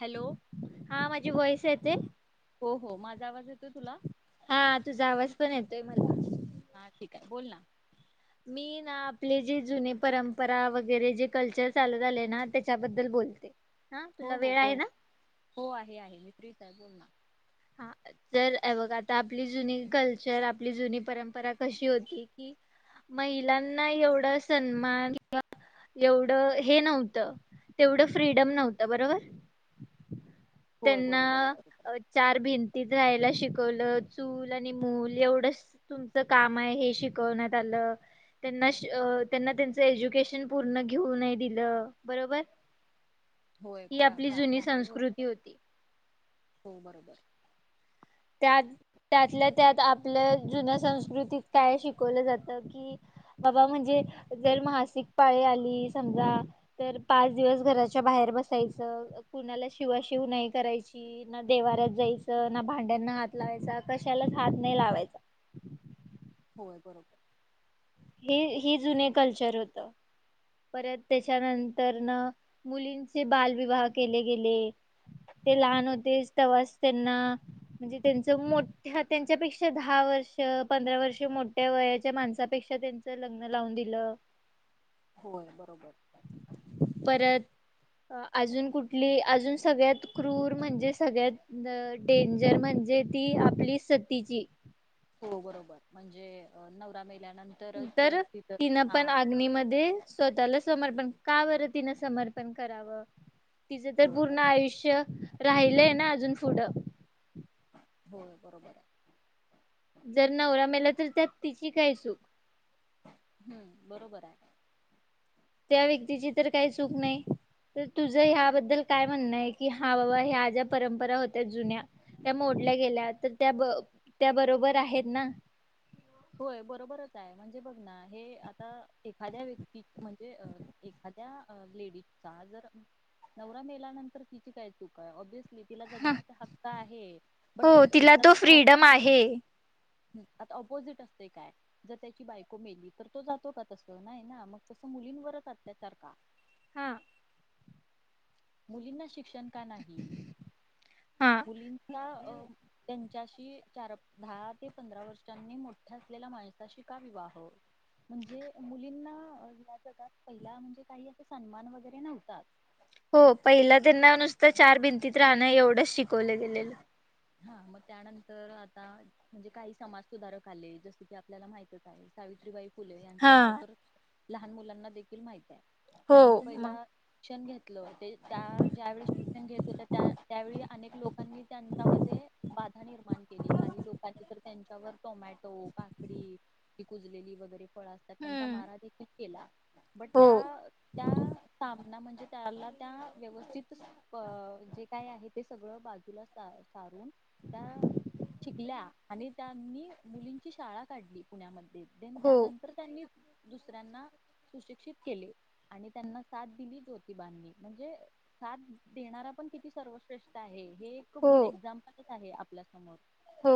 Hello हा माझी वयसेत. ते हो हो माझा आवाज येतोय तुला? हा तुझा आवाज पण येतोय मला. हा ठीक आहे बोल ना. मी ना आपले जे जुने परंपरा वगैरे, जे कल्चर चालू झाले ना त्याच्याबद्दल बोलते. हा हो तुला हो! वेळ आहे बोल. ना हो आहे आहे. मि फ्री काय बोल ना. हा तर यबघ आता आपली जुनी कल्चर, आपली जुनी परंपरा कशी होती कि महिलांना एवढं सन्मान, एवढं हे नव्हतं, तेवढं फ्रीडम नव्हतं. बरोबर? होय बरोबर हाय, बरोबर हाय. र भितीत राहायला शिकवलं. चूल आणि मूल एवढंच तुमचं काम आहे हे शिकवण्यात आलं. त्यांना अ त्यांना त्यांच एज्युकेशन पूर्ण घेऊ नाही दिलं. बरोबर? होय ही प्रा आपली जुनी प्राचीन काळी होत संस्कृती होती. हो बरोबर. त्यात त्यातल्या त्यात आपल्या जुन्या संस्कृतीत काय शिकवलं जातं कि, बाबा म्हणजे जर मासिक पाळी आली समजा तर पाच दिवस घराच्या बाहेर बसायचं, कुणाला शिवाशिव नाही करायची, ना देवाऱ्यात जायचं, ना भांड त्यांना हात लावायचा, कशालाच हात नाही लावायचा. होय बरोबर. हे-हे जुने कल्चर होतं. परत त्याच्यानंतर न मुलींचे बालविवाह केले गेले. ते लहान होते तेव्हाच त्यांना म्हणजे त्यांच मोठ्या त्यांच्यापेक्षा दहा वर्ष, पंधरा वर्ष मोठ्या वयाच्या माणसापेक्षा त्यांच लग्न लावून दिलं. होय बरोबर. परत अजून कुठली अजून सगळ्यात क्रूर म्हणजे सगळ्यात डेंजर म्हणजे ती आपली सतीची हो बरोबर. म्हणजे नवरा मेला तर तिन पण अग्नी मध्ये स्वतःला समर्पण. का बरं? तिनं समर्पण करावं तिचं तर होय बर पूर्ण आयुष्य राहिलंय ना अजून पुढं हो बरोबर हाय. जर नवरा मेला तर त्यात तिची काय चूक? हम्म बरोबर हाय. त्या व्यक्तीची तर काही चूक नाही. तर तुझं ह्याबद्दल काय म्हणणं आहे कि हा बाबा ह्या ज्या परंपरा होत्या जुन्या त्या मोडल्या गेल्या तर त्या ब त्या बरोबर आहेत ना? होय बरोबरच हाय. म्हणजे बघ ना हे आता एखाद्या व्यक्ती म्हणजे अ एखाद त्या लेडीचा जर नवरा मेलानंतर तिची काय चूकाय? ऑबयेसली तिला जगण्याचा हक्क आहे. बट हो तसं तिला आता त तो फ्रीडम आहे. हं आता ऑपोजिट काय, जर त्याची बायको मेली तर तो जातो का तस? नाही ना? मग तसं मुलींवरच अत्याचार का? हा मुलींना शिक शंका नाही हा मुलींचा त्यांन च्याशी चार-दहा ते पंधरा वर्षांनी मोठ्या असलेल्या माणसाशी का विवाह? म्हणजे मुलींना या जगात पहिला म्हणजे काही असं सन्मान वगैरे नव्हता हो पहिला त्यांना नुसतं चार भिंतीत राहणं एवढंच शिकवलं गेलेलं हा मग त्यानंतर आता म्हणजे काही समाज सुधारक आले जस की आपल्याला माहितच आहे सावित्रीबाई फुले हा यांचं नाव तर लहान मुलांना देखील माहित आहे हो त्यांनी मग पहिला [unintelligible] त्या ज्यावेळी शिक्षण घेत होत त्या त्यावेळी अनेक लोकांनी त्यांना बाधा निर्माण केली काही लोकांची तर त्यांच्यावर टोमॅटो काकडी ती कुजलेली वगैरे असतात त्यां हम्म मारा देखील केला बट हो त्या त्या सा म्हणजे त्याला त्या व्यवस्थित जे काय आहे ते सगळं बाजूला सारून त्या शिकल्या आणि त्यांनी मुलींची शाळा काढली पुण्यामध्ये देेत देन हो त्यानंतर त्यांनी दुसऱ्यांना सुशिक्षित केले आणि त्यांना साथ दिली ज्योतिबनी म्हणजे साथ देणारा पण किती सर्वश्रेष्ठ आहे हे एक हो ग एक आहे आपल्या समोर हो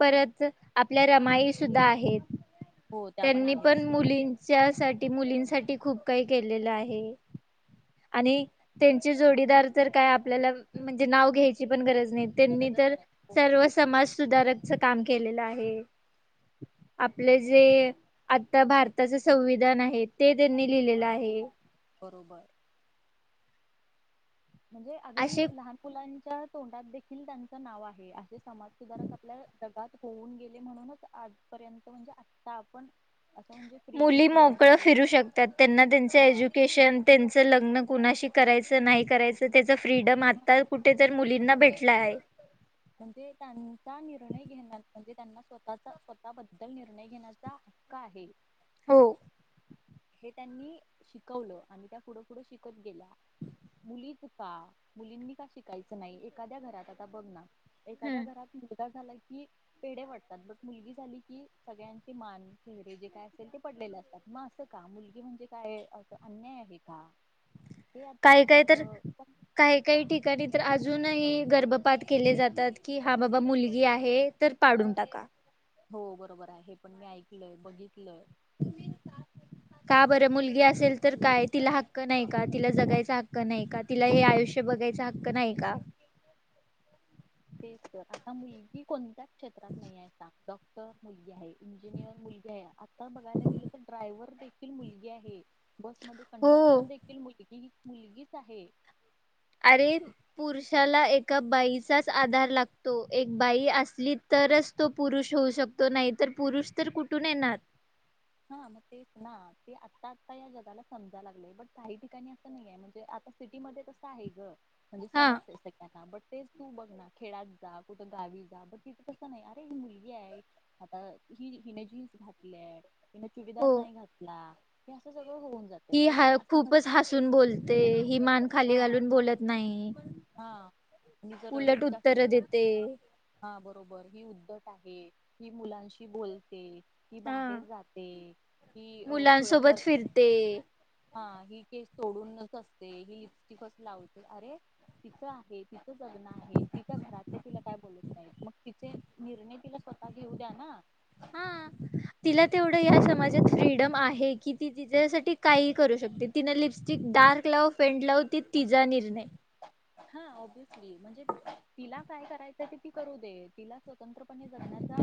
परत आपल्या रमाई सुद्धा आहेत हो त्या त्यांनी आहेत पण मुलींच्या साठी मुलीं साठी खूप काही केलेलं आहे आणि त्यांचे जोडीदार तर काय आपल्याला म्हणजे नाव घ्यायची पण गरज त्यांनी गरजच तर नाही हो सर्व समाज सुधारक केलेला आहे आपले जे आता भारताचं संविधान आहे ते त्यांनी लिहिलेलं हा आहे बरोबर म्हणजे अगदी असे लहान मुलांना च्या तोंडात देखील त्यांच नाव आहे आहे समाज सुधारक आपल्या [unintelligible] होऊन गेले म्हणूनच आजपर्यंत म्हणजे आता आपण असं म्हणजे फ्रीली मुली मोकळ फ्रीडमली फिरू शकतात त्यांना त्यांच हा एज्युकेशन त्यांच लग्न कुणाशी करायच नाही करायच त्याच फ्रीडम हा आता कुठेतर मुलींना बरोबर आहे भेटला हाय म्हणजे त्यांचा निर्णय घेण्यात म्हणजे त्यांना स्वतःचा स्वतःबद्दल निर्णय घेण्याचा हक्क आहे हो हे त्यांनी शिकवल आणि त्या पुढ पुुढ शिकत गेल्या मुली का मुलींनी का शिकायच नाही एखाद्या घरात आता बघ ना एखाद्या हम्म. घरात झाला की पेढ वाटतात बट मुलगी झाली की सगळ्यांचे मान चेहरे जे काय असेल ते पडलेले असतात मग अस का मुलगी म्हणजे काय अस अन्याय आहे का? हे आता काय म्हणजे काय अ तर काही काही ठिकाणी तर आज अजूनही गर्भपात केले जातात कि हा बाबा मुलगी आहे तर पाडून टाका. हो बरोबर आहे हे पण मी ऐकलय बघी तलय का बर मुलगी असेल तर काय तिला हक्क नाही का? तिला जगायचा हक्क नाही का? तिला हे आयुष्य बघायचा हक्क नाही का? तेच तर आता मुलगी कोण त्या क्षेत्रात नाहीये सा डॉक्टर मुलगी आहे. इंजिनियर मुलगी आहे. आता बघायला गेल तर ड्रायव्हर देखील मुलगी आहे. बसमध्ये हो कंडक्टर देखील मुल ही मुलगीच आहे. अरे पुरुषाला एका बाईचाच आधार लागतो. एक बाई असली तरच तो पुरुष होऊ शकतो नाही तर पुरुष तर कुठून येणार हा मग तेच ना ते आता आता या जगाला समजा लागलेय बट काही ठिकाणी अस नाहीये म्हणजे आता सिटी मध्ये कस आहे ग म्हणजे हा समजतय सगळ्यांना बट तेच तू बघ ना खेळात जा, कुठ गावी जा, ब तिथे तस नाही अरे ही मुलगी आहे. आता हि हिने जीन्स घातलीये. तीन चुडीदार नाही घातला. हे अस स कि हाय खूपच हसून बोलते. ही मान खाली हा घालून बोलत नाही. हा आणि जर उलट जास्त उत्तर देते. हा बरोबर ही उद्धट आहे. ही मुलांशी बोलते. ही हा बाहेर जाते ही अ मुलांसोबत खुळ्यासारख फिरते हा ही केस सोडूनच असते ही लिस्टिपच लावते. अरे तिच आहे तिच जगन आहे. तिच्या घरातले तिला काय बोलत नाही. मग तिचे निर्णय तिला स्वतः घेऊ द्या ना. हा तिला तेवढं या समाजात फ्रीडम आहे की ती तिच्यासाठी काहीही करू शकते तिनं लिपस्टिक डार्क लावो फेंट लावो ती तिचा निर्णय हा ओब्यसली म्हणजे तिला काय करायचं ते ती करू दे तिला स्वतंत्रपणे जगण्याचा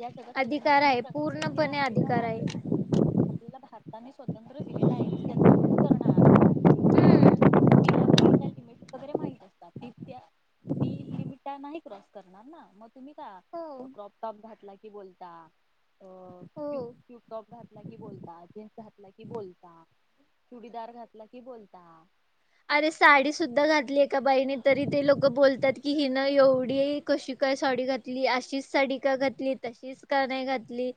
या जगात अधिकार स्वतंत्रपणे आहे जगण्याचा पूर्णपणे अधिकार आहे. आपल्याला भारताने स्वतंत्र दिलेलं आहे. ती त्याचा युज करणार. तिला पण तिच्या लिमिट वगैरे माहित असतात ती त्या ती लिमिट त्या नाही क्रॉस करणार ना मग तुम्ही का हो क्रॉप टॉप घातला कि बोलता. अ ट्यब हो ट्युबटॉप घात घातलं कि बोलता जीन्स घातला की बोलता चुडीदार घातला कि बोलता अरे साडी सुद्धा घातली एका बाईने तरी ते लोक बोलतात कि हिन एवढी कशी काय साडी घातली अशीच साडी का घातली तशीच का नाही घातली.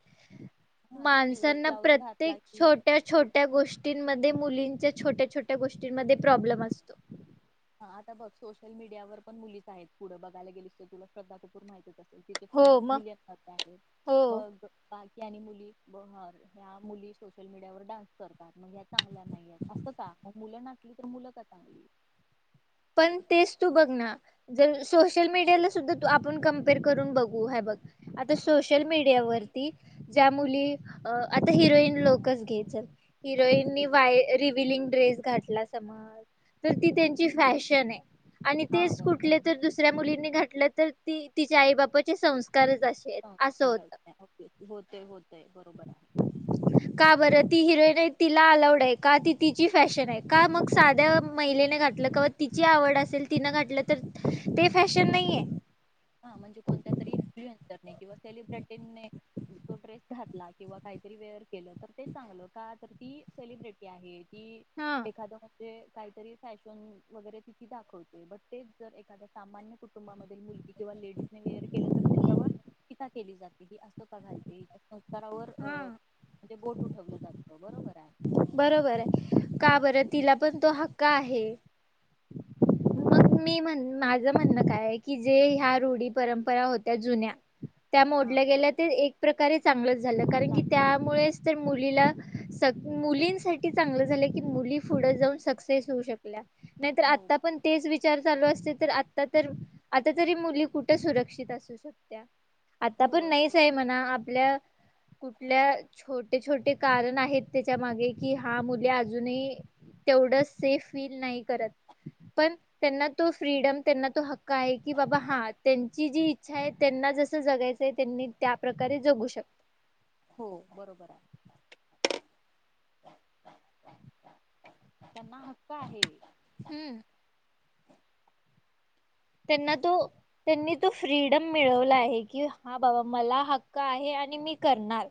हा स्लीवलेस माणसांना ब्लाऊज प्रत्येक घातला की छोट्या-छोट्या गोष्टींमध्ये मुलीं छोट्या छोट्या गोष्टींमध्ये प्रॉब्लेम असतो. हा आता बग सोशल मीडियावर पण मुलीच आहेत पुढं बघायला गेलीस तर. तुला श्रध्दा कपूर माहतीच अस तिचे हो फॉलोवेर्स मग मिलियन मध्ये आहेत. हो मग बा ह्या आणि मुली ब-हर ह्या मुली सोशल मीडियावर डान्स करत मग या चांगल्या नाहीयेत असं का? मुलं नाचली तर मुलं का चांगली? पण तेच तू बघ ना, जर सोशल मीडियाला सुद्धा तू आपण कमपेअर करून बघू ह. बघ आता सोशल मीडियावररती ज्या मुली, आता हिरोईन लोकंच घे चल हा हिरोईननी ते वाय रिव्हिलिंग ड्रेस घात आपला समाज, चल ती त्यांची फॅशन आहे. आणि हा तेच बरोबर कुठले तर दुसऱ्या मुलींनी घाातलं तर ती तिच्या आई बापाचे संस् हो खरच नाही. होतंय होतंय बरोबर आहे. नाही तिला अलाउड आहे. का ती तिची फॅशन आहे. का मग साध्या महिलेने घातलं का तिची आवड असेल, तिनं घातलं तर ते फॅशन नाहीये? हा म्हणजे कोणत्या तरी् इन्फ्लुयन्स किंवा सेलिब्रिटीने तो ड्रेस घातला किंवा काहीतरी वेअर केलं तर ते चांगलं का? तर ती सेलिब्रिटी आहे कि हा. एखादं जे काहीतरी फॅशन वगैरे तिथं दाखवते बट तेच जर एखाद्या सामान्य कुटुंबामधील मुलगी किंवा लेडीज न वेअर केलं तर त्याच्यावर टीका केली जाते हि असं का घालते हिचे संस संस्कारावर हा म्हणजे बोट बोट ठेवलं जातं बरोबर हाय. बरोबर आहे. का बरं तिला पण तो हक्का आहे. हो. मग मी म्हण माझ माझं म्हणणं काय, की जे ह्या रूढी परंपरा होत्या जुन्या त्या हा मोडल्या गेल्या ते एक प्रकारे चांगल झा झालं कारण की चांगलं. त्यामुळेच तर मुलीला स मुलींसाठी चांगलं झालं की मुली पुढं जाऊन सक्सेस होऊ शकल्या नाहीतर हो आता पण विचार चालू असते तर आ तर आता तरी मुली कुठे सुरक्षित असू शकत्या? आता पण होय नाहीच ये म्हणा आपल्या कुठल्या छोटे छोटे कारण आहेत त्याच्या मागे, कि हा मुले अजूनही तेवढं सेफ फील नाही करत. पण त्यांना तो फ्रीडम त्यांना तो हक्क आहे की बाबा हा त्यांची जी इच्छा आहे त्यांना जसं जगायचं आहे त्यांनी त्या प्रकारे जगू शकतात. हो बरोबर आहे. त्यांना हक्क आहे. त्यांना तो त्यांनी तो फ्रीडम मिळवला आहे, की हा बाबा मला हक्क आहे आणि मी करणार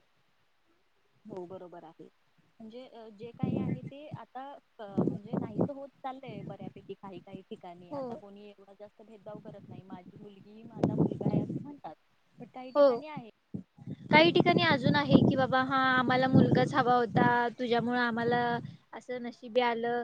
हो बरोबर आहे म्हणजे जे काही आहे ते आता म्हणजे नाहीस होत चाललय बऱ्यापैकी काही काही ठिकाणी हो आता कोणी एक जास्त भेदभाव करत नाही माझी मुलगी, माझा मुलगा आहे असं म्हणतात. काही हो ठिकाणी आहे. काही ठिकाणी अजून आहे की बाबा हा मला मुलगाच हवा होता तुझ्यामुळ आम्हाला अस नशिबी आलं.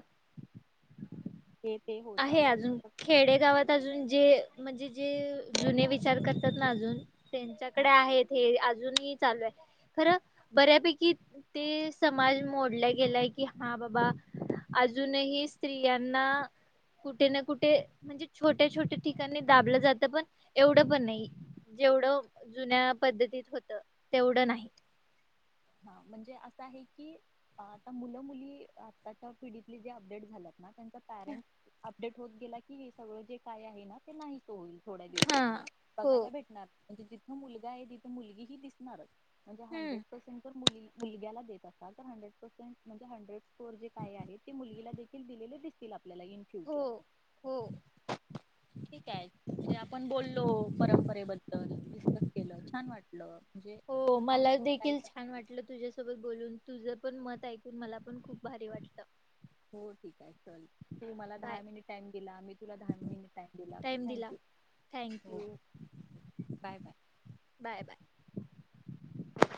हे ते हो आहे चालू असतं अजून तर खेडेगावात अजून जे म्हणजे जे जुने विचार करतात ना अजून त्यांच्याकडे आहेत हे अजून ही चालू आहे खर बऱ्यापैकी ते समाज मोडला गेलाय कि हा बाबा अजूनही स्त्रियांना कुठे ना कुठे म्हणजे छोट्या-छोट्या ठिकाणी दाबलं जातं पण एवढं पण नाही जेवढं जुन्या पद्धतीत होत तेवढ नाही. ह म्हणजे असं आहे की आता मुलं मुली आताच्या पिढीतले जे अपडेट झाल्यात ना तर पॅरंट आप अपडेट होत गेला की हे सगळं जे काय आहे ना ते नाही. होईल थोड्या हा दिवसांनी हो बघायला भेटणार म्हणजे जिथं मुलगा आहे तिथे मुलगी ही दिसणारच म्हणजे हम्म हंड्रेड पर्सेंट मुली मुलग्याला देत असाल तर हॅन्ड्रेड पर्सेंट म्हणजे हन्ड्रेड पोर जे काय आहे ते मुलगीला देखील दिलेले दिस आपल्याला इन हो फ्युचर हो. ठीक आहे म्हणजे आपण बोललो, परंपरेबद्दल डिस्कस केलं, छान वाटल. हो मला देखील छान म्हटल तुझ्यासोबत बोलून तुझ पण मत ऐकून मला पण खूप भारी वाटत. हो ठीक आहे चल तू मला बाय दहा मिनीट टाइम दिला मी तुला दहा मिनिट टाईम टाइम दिला thank you bye bye bye bye